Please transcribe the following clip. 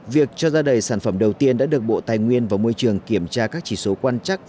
việc cho ra đầy sản phẩm đầu tiên đã được bộ tài nguyên và môi trường kiểm tra các chỉ số quan chắc